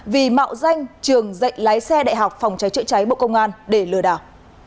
vì mạo danh trường dạy lái xe đại học phòng trái trợ trái bộ công an để lừa đảo